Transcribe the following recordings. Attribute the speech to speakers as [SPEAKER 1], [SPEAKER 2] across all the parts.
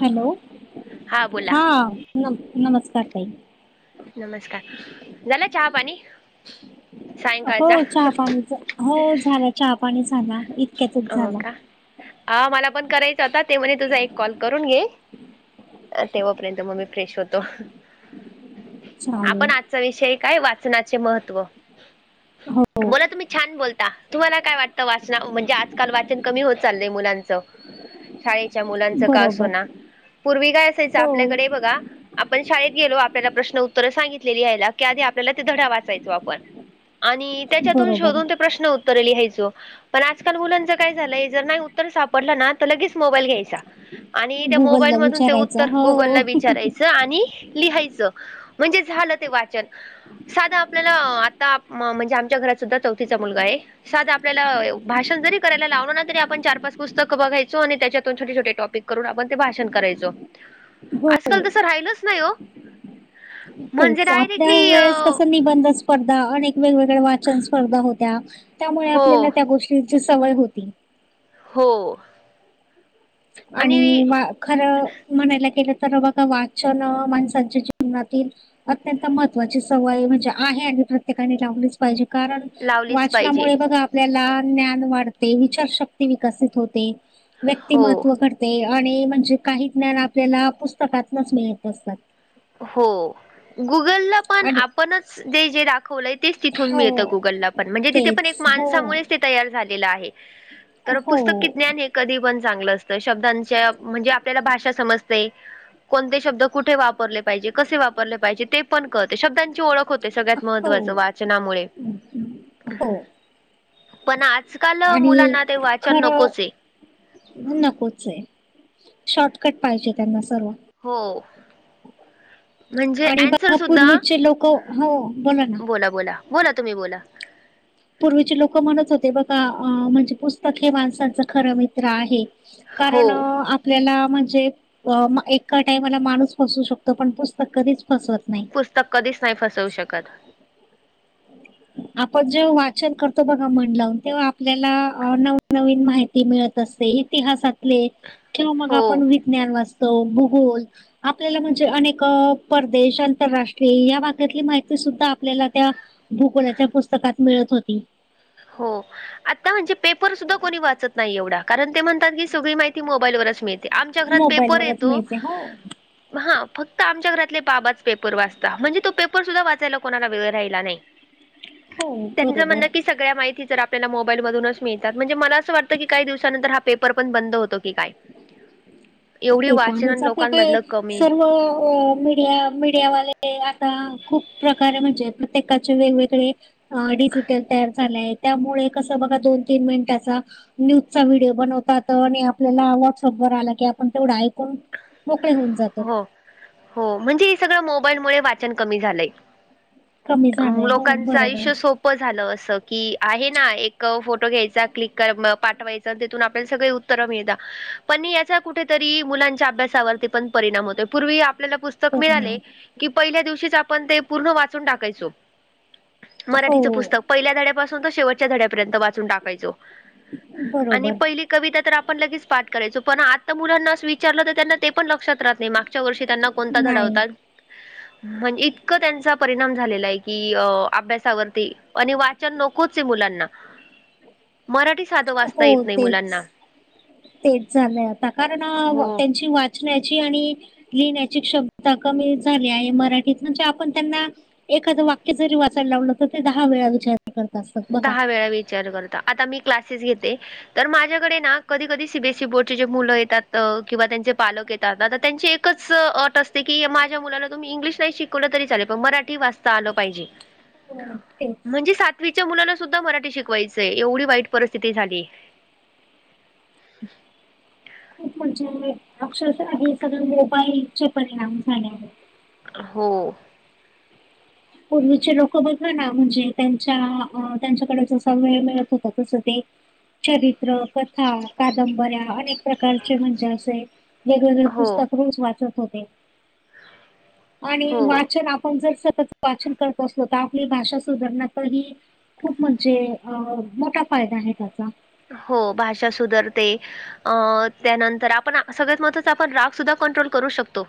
[SPEAKER 1] Hello हा न नमस्कार तई-
[SPEAKER 2] नमस्कार झाला चहा पाणी.
[SPEAKER 1] हो
[SPEAKER 2] सायंकाळचा
[SPEAKER 1] चहा पाणीच हो झाला चहा पाणी झाला इतक्यातच
[SPEAKER 2] हो
[SPEAKER 1] झाला.
[SPEAKER 2] का हा मला पण करायचा होता ते म्हणे तुझा एक कॉल करून घेल. तेव्हापर्यंत मग ममी फ्रेश होतो.
[SPEAKER 1] चालेल.
[SPEAKER 2] आपण आजचा विषय काय वाचनाचे महत्त्व.
[SPEAKER 1] हो
[SPEAKER 2] बोला तुम्ही छान बोलता तुम्हाला काय वाटत. वाचना म्हणजे आजकाल वाचन कमी होत चाललंय मुलांचं शाळेच्या मुलांचं का असो
[SPEAKER 1] बरोबर
[SPEAKER 2] ना पूर्वी काय असायचं
[SPEAKER 1] हो
[SPEAKER 2] आपल्याकडे बघा. आपण शाळेत गेलो आपल्याला प्रश्न उत्तरं सांगितलेली आहेयला की आधी आपल्याला ते धडा वाचायचो आपण. आणि त्याच्यातून
[SPEAKER 1] बरोबर
[SPEAKER 2] शोधून ते प्रश्न उत्तर लिहायचो. पण आजकाल मुलांच काय झालंय जर नाही उत्तर सापडलं ना तर लगेच मोबाईल घ्यायचा. आणि त्या मोबाईल
[SPEAKER 1] गुगलला
[SPEAKER 2] मधून ते
[SPEAKER 1] विचारायचं
[SPEAKER 2] उत्तर
[SPEAKER 1] हो
[SPEAKER 2] गुगल ला विचारायच. आणि लिहायचं म्हणजे झालं ते वाचन. साधा आपल्याला आता म्हणजे आमच्या घरात सुद्धा चौथीचा मुलगा आहे साधा.. आपल्याला भाषण जरी करायला लावण ना तरी आपण चार पाच पुस्तक बघायचो आणि त्याच्यातून छोटे छोटे टॉपिक. करून आपण ते भाषण करायचो
[SPEAKER 1] हो
[SPEAKER 2] आजकाल तस राहिलच नाही हो. म्हणजे
[SPEAKER 1] तेच आपल्या
[SPEAKER 2] डायरेक्टली अ
[SPEAKER 1] वेळेस कस निबंध अस. स्पर्धा अनेक वेगवेगळ्या वाचन स्पर्धा होत्या त्यामुळे
[SPEAKER 2] हो
[SPEAKER 1] आपल्याला त्या गोष्टीची सवय होती.
[SPEAKER 2] हो.
[SPEAKER 1] आणि. खरं म्हणायला गलं तर बघा वाचन माणसांच्या जीवनातील. अत्यंत महत्त्वाची सवय म्हणजे आहे आणि प्रत्येकाने लावणी. जे कारण
[SPEAKER 2] लावलीच पाहिजे
[SPEAKER 1] वाचनामुळे बघा. आपल्याला ज्ञान वाढते विचारशक्ती विकसित होते व्यक्तिम
[SPEAKER 2] हो
[SPEAKER 1] ते आणि म्हणजे काही ज्ञान आपल्याला पुस्तकातच मिळत असतात
[SPEAKER 2] हो गुगलला पण
[SPEAKER 1] आणि
[SPEAKER 2] आपणच ते जे वला तेच तिथून मिळत
[SPEAKER 1] हो
[SPEAKER 2] गुगलला पण म्हणजे तिथे पण एक
[SPEAKER 1] तेच हो
[SPEAKER 2] माणसामुळेच ते तयार झालेलं आहे तर
[SPEAKER 1] हो
[SPEAKER 2] पुस्तकी ज्ञान हे कधी पण चांगलं असतं शब्दांच्या म्हणजे आपल्याला भाषा समजते कोणते शब्द कुठे वापरले पाहिजे, कसे वापरले पाहिज ते पण कळते शब्दांची ओळख होते सगळ्यात
[SPEAKER 1] हो
[SPEAKER 2] महत्वाचं वा चनामुळे
[SPEAKER 1] हो
[SPEAKER 2] पण आ ज काल
[SPEAKER 1] आणि
[SPEAKER 2] मुलांना ते वाचन
[SPEAKER 1] खरं
[SPEAKER 2] नकोच आहे.
[SPEAKER 1] नकोच आहे शॉर्टकट पाहिजे त्यांना सर्व
[SPEAKER 2] हो. म्हणजे
[SPEAKER 1] आणि
[SPEAKER 2] अन्सर
[SPEAKER 1] बघा
[SPEAKER 2] सुद्धा,
[SPEAKER 1] पूर्वीचे लोक हो ना
[SPEAKER 2] बोला बोला बोला तुम्ही बोला
[SPEAKER 1] पूर्वीचे लोक म्हणत होते बघा अह म्हणजे पुस्तक हे माणसांचं खरं मित्र आहे.
[SPEAKER 2] हो
[SPEAKER 1] कारण अह आ पल्याला म्हणजे एका टाइमाला माणूस फसवू शकतो पण पुस्तक कधीच फसवत नाही
[SPEAKER 2] पुस्तक कधीच नाही फसवू शकत ह
[SPEAKER 1] आपण जेव्हा वाचन करतो बघा मन लावून तेव्हा आपल्याला नवनवीन माहिती मिळत असते इतिहासातले किंवा मग आपण
[SPEAKER 2] हो.
[SPEAKER 1] विज्ञान वाचतो, भूगोल आपल्याला म्हणजे अनेक परदेश आंतरराष्ट्रीय या भागातली माहिती सुद्धा आपल्याला त्या भूगोलाच्या पुस्तकात मिळत होती
[SPEAKER 2] हो. आता म्हणजे पेपर सुद्धा कोणी वाचत नाही एवढा कारण ते म्हणतात की सगळी माहिती मोबाईलवरच मिळते. आमच्या घरात पेपर
[SPEAKER 1] मोबाईलवरच
[SPEAKER 2] येतो
[SPEAKER 1] मिळते हो
[SPEAKER 2] हा फक्त आमच्या घरातले बाबाच पेपर वाचता म्हणजे तो पेपर सुद्धा वाचायला कोणाला वेळ राहिला नाही.
[SPEAKER 1] हो
[SPEAKER 2] त्याचं
[SPEAKER 1] बरोबर
[SPEAKER 2] म्हणणं की सगळ्या माहिती जर आपल्याला मोबाईल मधूनच मिळतात म्हणजे मला असं वाटतं की काही दिवसानंतर हा पेपर पण बंद होतो की काय. एवढी
[SPEAKER 1] ते तर
[SPEAKER 2] वाचन
[SPEAKER 1] आहेच आता हे
[SPEAKER 2] लोकांमधलं कमी.
[SPEAKER 1] सर्व मीडिया मीडियावाले आता खूप प्रकारे म्हणजे प्रत्येकाचे वेगवेगळे अ डिजिटल तयार झालंय त्यामुळे कसं बघा दोन तीन मिनिटाचा न्यूजचा व्हिडिओ बनवतात आणि आपल्याला व्हॉट्सअप वर आला की आपण तेवढे ऐकून मोकळे होऊन जातो
[SPEAKER 2] हो हो म्हणजे हे सगळं मोबाईलमुळे वाचन कमी झालंय
[SPEAKER 1] कमी
[SPEAKER 2] अम
[SPEAKER 1] झाले हो
[SPEAKER 2] लोकांचं
[SPEAKER 1] बरोबर
[SPEAKER 2] आयुष्य सोप प झालं असं की आहे ना एक फोटो घ्यायचा क्लिक करा म पाठवायचा तिथून आपल्याला सगळे उत्तर मिळत पण याचा कुठेतरी मुलांच्या अभ्यासावरती पण परिणाम होतो पूर्वी आपल्याला पुस्तक मिळाले
[SPEAKER 1] परिणाम
[SPEAKER 2] कि पहिल्या दिवशीच आपण ते पूर्ण वाचून टाकायचो,
[SPEAKER 1] हो
[SPEAKER 2] मराठीचं पुस्तक. पहिल्या धड्या पासून तो शेवटच्या धड्यापर्यंत वाचून टाकायचो आणि
[SPEAKER 1] बरोबर
[SPEAKER 2] पहिली कविता तर आपण लगेच पाठ करायचो पण आता मुलांना अस विचारलं तर त्यांना ते पण लक्षात राहत नाही मागच्या वर्षी त्यांना कोणता धडा
[SPEAKER 1] नाही
[SPEAKER 2] होता. हा इतकं त्यांचा परिणाम झालेला आहे की अभ्यासावरती आणि वाचन नकोच आहे मुलांना. मराठीत
[SPEAKER 1] हो तेच तेच झालंय आता कारण
[SPEAKER 2] हो
[SPEAKER 1] त्यांची वा चण्याची आणि लिहिण्याची क्षमता कमी झाली आहे मराठीत म्हणजे आपण त्यांना एखादं वाक्य जरी वाचायला लावलं तर ते दहा वेळा विचारत
[SPEAKER 2] दहा वेळा विचार करतात. आता मी क्लासेस घेते तर माझ्याकडे ना कधी कधी सी बी एस ई बोर्डचे जे मुलं येतात किंवा त्यांचे पालक येतात आता तर त्यांची एकच अट असते कि माझ्या मुलाला तुम्ही इंग्लिश नाही शिक कवल तरी चालेल पण मराठी वाचता आलं पाहिजे.
[SPEAKER 1] हो तेच
[SPEAKER 2] म्हणजे सात वीच्या मुलांनासुद्धा मराठी शिकवायचंय एवढी वाईट परिस्थिती झाली आहे.
[SPEAKER 1] खूप म्हणजे अक्षर हे सगळ मोबाईलचे परिणाम झाले आहे.
[SPEAKER 2] हो.
[SPEAKER 1] पूर्वीचे लोक बघाना म्हणजे त्यांच्या त्यांच्याकडे जसा वेळ मिळत होता तस ते चरित्र कथा, कादंबऱ्या अनेक प्रकारचे म्हणजे असे वेगवेगळे
[SPEAKER 2] हो
[SPEAKER 1] पुस्तक रोज वाचत आणि
[SPEAKER 2] हो
[SPEAKER 1] वाचन आपण जर सतत वाचन करत असलो तर आपली भाषा सुधारण्यातही खूप म्हणजे अ मोठा फायदा आहे त्याचा.
[SPEAKER 2] हो भाषा सुधरते. अ त्यानंतर आपण सगळ्यात महत्त्वाच आपण राग सुद्धा कंट्रोल करू शकतो.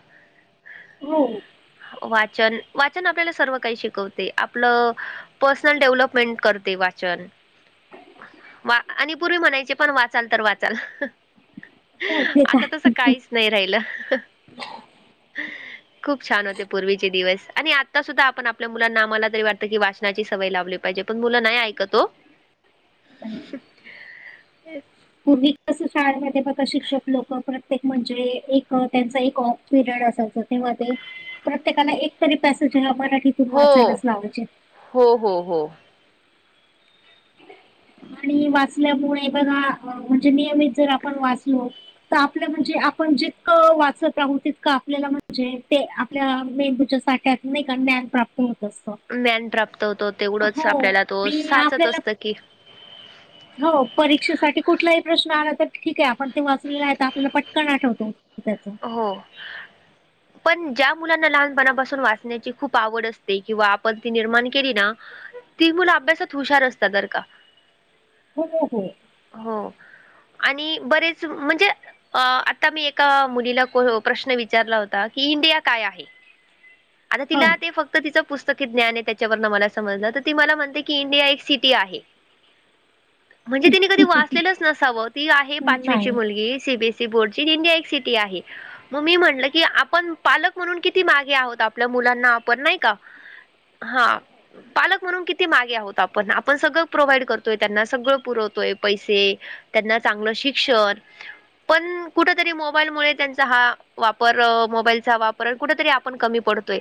[SPEAKER 1] हो.
[SPEAKER 2] वाचन वाचन आपल्याला सर्व काही शिकवते आपलं पर्सनल डेव्हलपमेंट करते वाचन. वा आणि पूर्वी म्हणायचे पण वाचाल तर वाचाल
[SPEAKER 1] हो ते तर
[SPEAKER 2] आता तसं
[SPEAKER 1] आहेच.
[SPEAKER 2] काहीच नाही राहिलं. खूप छान होते पूर्वीचे दिवस आणि आत्ता सुद्धा आपण आपल्या मुलांना आम्हाला तरी वाटतं की वाचनाची सवय लावली पाहिजे. पण मुला नाही ऐकत हो.
[SPEAKER 1] ह [unintelligible]
[SPEAKER 2] [unintelligible]
[SPEAKER 1] पूर्वी कस शाळेमध्ये बघा शिक्षक लोक पण एक म्हणजे एक त्यांचा एक ऑफ पिरियड असायच तेव्हा ते प्रत्येकाला एकतरी पॅसेज ह मराठीतून वाचायलाच
[SPEAKER 2] हो,
[SPEAKER 1] लावायचे.
[SPEAKER 2] हो हो हो.
[SPEAKER 1] आणि वाचल्यामुळे बघा म्हणजे नियमित जर आपण वाचलो तर आपलं म्हणजे आपण जितकं वाचत राहू तितकं आपल्याला म्हणजे ते मेंदूच्या साठ्यात ज्ञान प्राप्त होत. असतं.
[SPEAKER 2] ज्ञान प्राप्त होतो तेवढंच
[SPEAKER 1] हो
[SPEAKER 2] आपल्याला तो
[SPEAKER 1] आणि
[SPEAKER 2] साचत
[SPEAKER 1] आपल्याला
[SPEAKER 2] असत की
[SPEAKER 1] हो परीक्षेसाठी कुठलाही प्रश्न आला तर ठीक आहे आपण ते वाचलेलं आहे आपल्याला पटकन आठवतो. त्याच.
[SPEAKER 2] हो. पण ज्या मुलांना लहानपणापासून वाचण्याची खूप आवड असते किंवा आपण ती निर्माण केली ना ती मुलं अभ्यासात हुशार असतात तर का.
[SPEAKER 1] हो हो.
[SPEAKER 2] हो आणि बरेच म्हणजे आता मी एका मुलीला प्रश्न विचारला होता की इंडिया काय आहे आ
[SPEAKER 1] हो.
[SPEAKER 2] तिला फक्त फक्त ति पुस्तक ज्ञान आहे त्याच्यावर मला समजलं तर ती मला म्हणते की इंडिया एक सिटी आहे. [unintelligible] म्हणजे तिने कधी वाचलेलंच नसावं ती आहे पाचवीची
[SPEAKER 1] नाही.
[SPEAKER 2] मुलगी सी, बी, एस, ई बोर्डची इंडिया एक आहे. मग मी म्हणलं की आपण पालक म्हणून किती मागे आहोत आपल्या मुलांना वापर नाही का हा. पालक म्हणून किती मागे आहोत आपण आपण सगळं प्रोव्हाइड करतोय त्यांना सगळं पुरवतोय पैसे त्यांना चांगलं शिक्षण पण कुठ तरी मोबाईल मुळ त्यांचा हा वापर मोबाईलचा वापर कुठ तरी आपण कमी पडतोय.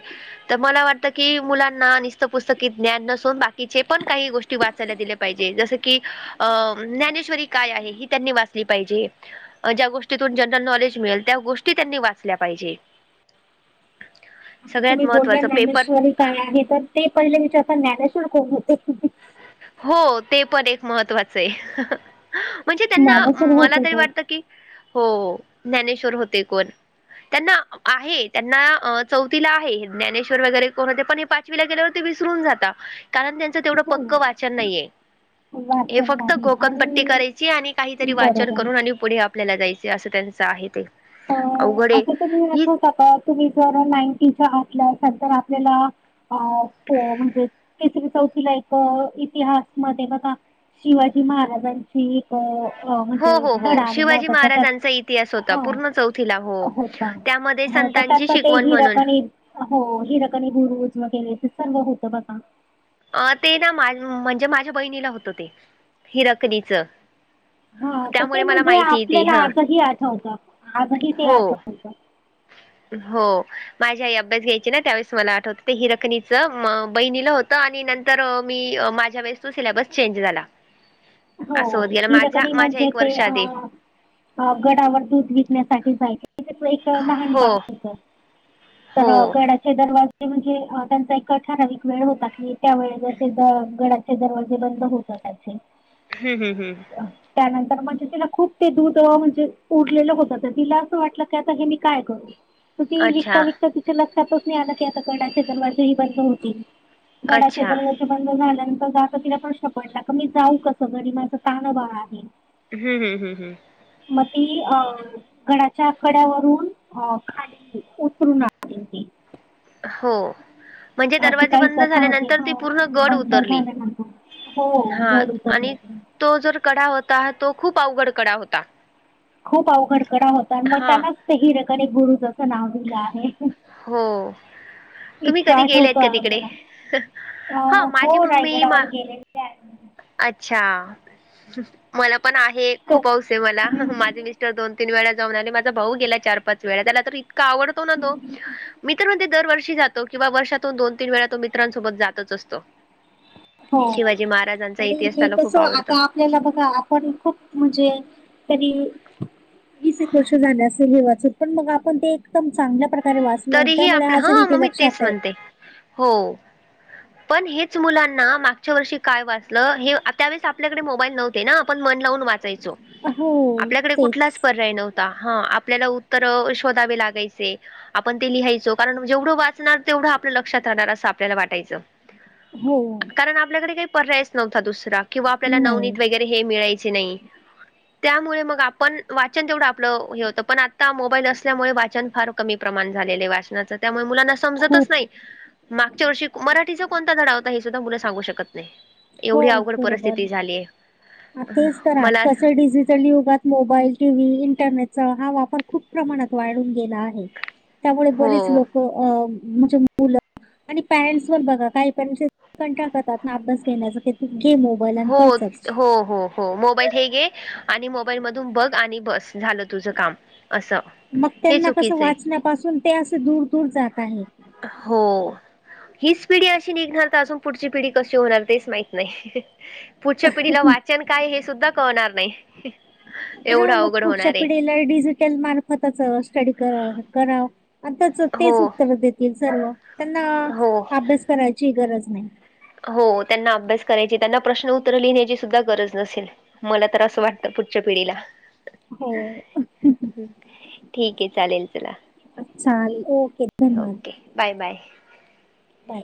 [SPEAKER 2] तर मला वाटतं की मुलांना निस्त पुुस्तकीत ज्ञान नसून बाकीचे पण काही गोष्टी वाचायला दिलं पाहिजे जस की अ ज्ञानेश्वरी काय आहे? ही त्यांनी वाचली पाहिजे. ज्या गोष्टीतून जनरल नॉलेज मिळेल त्या गोष्टी त्यांनी वाचल्या पाहिजे.
[SPEAKER 1] तुम्ही
[SPEAKER 2] सगळ्यात
[SPEAKER 1] बोलला
[SPEAKER 2] महत्त्वाचं पेपर
[SPEAKER 1] ज्ञानेश्वर ही काय आहे तर ते पहिले विचारता ज्ञानेश्वर कोण होते.
[SPEAKER 2] हो ते पण एक महत्त्वाचं आहे म्हणजे त्यांना
[SPEAKER 1] ज्ञानेश्वर
[SPEAKER 2] मला
[SPEAKER 1] होते
[SPEAKER 2] तरी
[SPEAKER 1] ते.
[SPEAKER 2] वाटत की हो ज्ञानेश्वर होते कोण त्यांना आहे त्यांना चौथीला आहे ज्ञानेश्वर वगैरे कोण होते पण, गेल्यावर ते विसरून जात कारण त्यांचं तेवढं
[SPEAKER 1] हो.
[SPEAKER 2] पक्क वाचन नाहीये हे
[SPEAKER 1] वाचन
[SPEAKER 2] फक्त
[SPEAKER 1] नाही
[SPEAKER 2] घोकम पट्टी
[SPEAKER 1] आणि
[SPEAKER 2] करायची आणि काहीतरी वाचन
[SPEAKER 1] बरोबर.
[SPEAKER 2] करून आणि, पुढे आपल्याला जायचे असं त्यांचं आहे ते,
[SPEAKER 1] अ
[SPEAKER 2] अवघड आहे.
[SPEAKER 1] असं तुम्ही
[SPEAKER 2] ही
[SPEAKER 1] आठवता का तुम्ही जर नाईंटीच्या आात ल्यांतर आपल्याला, अ हो म्हणजे तिसरी चौथी लायक इतिहासमध्ये बघा. शिवाजी महाराजांची,
[SPEAKER 2] हो,
[SPEAKER 1] म्हणजे
[SPEAKER 2] हो, हो.
[SPEAKER 1] धडा लिहिला
[SPEAKER 2] शिवाजी
[SPEAKER 1] होता त्याच्यात
[SPEAKER 2] महाराजांचा इतिहास होता
[SPEAKER 1] ह,
[SPEAKER 2] पूर्ण हो
[SPEAKER 1] होता
[SPEAKER 2] त्यामध्ये
[SPEAKER 1] हो तर
[SPEAKER 2] संतांची
[SPEAKER 1] त्यात ते
[SPEAKER 2] शिकवण म्हणून.
[SPEAKER 1] हिरकण, हो हिरकनी बुरुज वगैरे ते सर्व होतं बघ,
[SPEAKER 2] अ ते ना म्हणजे माझ्या बहिणीला होतं ते हिरकनीच,
[SPEAKER 1] हा तर ते म्हणजे
[SPEAKER 2] येते
[SPEAKER 1] आपल्याला
[SPEAKER 2] हा
[SPEAKER 1] आजही आठवतं आजही ते आठवत.
[SPEAKER 2] हम हो माझ्याई अभ्यास घ्यायची ना त्यावेळेस मला आठवतं ते हिरकनीच बहिणीला हो, आणि नंतर मी माझ्या वेळेस तो सिलेबस चेंज झाला.
[SPEAKER 1] हो
[SPEAKER 2] असं होत गेला माझ्या
[SPEAKER 1] हिरकणी
[SPEAKER 2] माझ्या
[SPEAKER 1] म्हणजे
[SPEAKER 2] एक
[SPEAKER 1] ते
[SPEAKER 2] वर्ष
[SPEAKER 1] अ,
[SPEAKER 2] आधी
[SPEAKER 1] अ गडावर दूध विकण्यासाठी जायच त्या एक लहान
[SPEAKER 2] हो
[SPEAKER 1] भाग होत. तर
[SPEAKER 2] हो
[SPEAKER 1] गडाचे दरवाजे म्हणजे त्यांचा एक ठराविक वेळ होता की, त्या वळेने ते द गडाचे दरवाजे बंद होत असचे,
[SPEAKER 2] हम् हम हम
[SPEAKER 1] त्यानंतर म्हणजे तिला खूप ते दूध म्हणजे उरलेलं होतं तर तिला असं वाट, आता हे मी काय करू, त ती विकता
[SPEAKER 2] अच्छा
[SPEAKER 1] विकता तिच्या लक्षातच नाही आला की आता गडाचे दरवाजेही बंद होतील. गडाचे
[SPEAKER 2] अच्छा
[SPEAKER 1] दरवाजे बंद झाल्यानंतर ज तिला प्रश्न पडला क मी जाऊ कस, सग माझ तणंबाळ आहे.
[SPEAKER 2] हम्म हम हम् हम.
[SPEAKER 1] मती अ, गडच्या आकड्यावरून अ खाली उतरून आली.
[SPEAKER 2] हो म्हणजे
[SPEAKER 1] अशी
[SPEAKER 2] दरवाजे
[SPEAKER 1] काही
[SPEAKER 2] बंद
[SPEAKER 1] कथा होती
[SPEAKER 2] झाल्यानंतर ती
[SPEAKER 1] हा,
[SPEAKER 2] पूर्ण गड
[SPEAKER 1] बंद
[SPEAKER 2] उतरली
[SPEAKER 1] झाल्यानंतर हो
[SPEAKER 2] हा
[SPEAKER 1] गड उतरले
[SPEAKER 2] आणि
[SPEAKER 1] ते.
[SPEAKER 2] तो जर कडा होता तो खूप अवघड कडा होता.
[SPEAKER 1] खूप अवघडकडा होता आणि मग
[SPEAKER 2] हा
[SPEAKER 1] त्यानच ते हिरेकन एक गुरु जसं नाव दिलं आहे.
[SPEAKER 2] हो तुम्ही
[SPEAKER 1] इतकां
[SPEAKER 2] कधी गेलेत
[SPEAKER 1] आठवत
[SPEAKER 2] का तिकडे
[SPEAKER 1] त्याला
[SPEAKER 2] हा
[SPEAKER 1] अ हो
[SPEAKER 2] माझी मम्मी मा
[SPEAKER 1] रायगडावर गेलेले आहे.
[SPEAKER 2] अच्छा मला पण आहे
[SPEAKER 1] तो
[SPEAKER 2] खूप वस आहे मला
[SPEAKER 1] हम्म.
[SPEAKER 2] माझे मिस्टर दोन, तीन वेळा जान आले माझा भाऊ गेला चार पाच वेळा त्याला तर, इतका आवडतो ना तो मी तर म्हणजे दरवर्षी जात. ो किंवा वर्षातून दोन तीन वेळा तो मित्रांसोबत जातच असतो.
[SPEAKER 1] हो
[SPEAKER 2] शिवाजी महाराजांचा इतिहास त्याला खूप आवडतो.
[SPEAKER 1] आपला बघा आपण खूप म्हणजे तरी वीस एक वर्ष झाल्या असे हे वाच पण मग आपण एकम चगल्या, वास
[SPEAKER 2] तरीही
[SPEAKER 1] त्यामुळे
[SPEAKER 2] आपलं
[SPEAKER 1] आजही
[SPEAKER 2] हा
[SPEAKER 1] ते
[SPEAKER 2] मग मी
[SPEAKER 1] लक्षात
[SPEAKER 2] तेच
[SPEAKER 1] आहे.
[SPEAKER 2] म्हणते हो पण हेच मुलांना मागच्या वर्षी काय वाचलं हे त्यावेळेस आपल्याकडे मोबाईल नव्ह, ते ना आपण मन लावून वाचायचो
[SPEAKER 1] हो
[SPEAKER 2] आपल्याकडे
[SPEAKER 1] तेच
[SPEAKER 2] कुठलाच, नव्हता ह आपल्याला उत्तर शोधावे लागायचे. आपण ते लिहायचो कारण जेवढं वाचणार तेवढं आपलं लक्षात राहणार असं आपल्याला वाटायचं.
[SPEAKER 1] हो
[SPEAKER 2] कारण आपल्याकडे काही पर्यायच नव्हता दुसरा किंवा आपल्याला
[SPEAKER 1] नाही
[SPEAKER 2] नवनीत वगैरे, हे मिळायच नाही त्यामुळे म आपण वाचन तेवढं आपलं हे होतं पण आता मोबाईल असल्यामुळे वाचन फार कमी प्रमाण झाले वाचनाच त्यामुळे मुलाना समजतच
[SPEAKER 1] खूप
[SPEAKER 2] नाही. मागच्या वर्षी मराठीचा कोणता धडा होता हे सुद्धा मुला सांगू शकत नाही.
[SPEAKER 1] हो
[SPEAKER 2] एवढी अवघड परिस्थिती झालीय
[SPEAKER 1] बरोबर तेच तर
[SPEAKER 2] मला
[SPEAKER 1] आजच डिजिटल युगात मोबाईल टीव्ही इंटरनेटचा हा वापर खूप प्रमाणात वाढून गेला आहे. त्यामुळे बरेच
[SPEAKER 2] हो
[SPEAKER 1] लोक अ म्हणजे मुलं आणि पॅरें्स वर बघा काही पॅरेंट्स कंटाळा करतात ना अभ्यास घेण्याच क गेम
[SPEAKER 2] हो हो हो हो मोबाईल हे घे आणि मोबाईल मधून बघ आणि बस झालं तुझं काम असं.
[SPEAKER 1] मग
[SPEAKER 2] हे
[SPEAKER 1] त्यांना कसं
[SPEAKER 2] चुकीचं आहे
[SPEAKER 1] वाचण्यापासून ते असं दूर दूर जात आहे.
[SPEAKER 2] हो हीच पिढी अशी निघणार तर अजून पुढची पिढी कशी होणार तेच माहिती नाही पुढच्या पिढीला वाचन काय हे सुद्धा कळणार नाही. एवढं
[SPEAKER 1] हा मग
[SPEAKER 2] अवघड
[SPEAKER 1] पुढच्या
[SPEAKER 2] होणार आहे
[SPEAKER 1] पिढीला मार्फ स्टडी कराव त्या [inaudible] तेच
[SPEAKER 2] हो
[SPEAKER 1] उत्तर देतील सर्व त्यांना
[SPEAKER 2] हो
[SPEAKER 1] अभ्यास करायची गरज नाही.
[SPEAKER 2] हो त्यांना अभ्यास करायची त्यांना प्रश्न उत्तरं लिहिण्याची सुद्धा गरज नसेल. मला तर असं वाटत पुढच्या पिढीला
[SPEAKER 1] हो
[SPEAKER 2] ठीक आहे चालेल चला
[SPEAKER 1] अच्छा ओके. धन्यवाद
[SPEAKER 2] ओके बाय बाय.
[SPEAKER 1] बाय